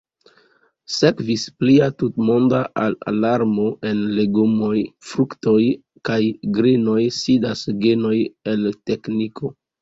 Sekvis plia tutmonda alarmo: en legomoj, fruktoj kaj grenoj sidas genoj el tekniko!